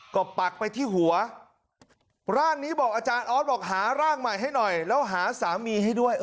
ก็ปักไปที่หัวร่างนี้บอกอาจารย์ออสบอกหาร่างใหม่ให้หน่อยแล้วหาสามีให้ด้วย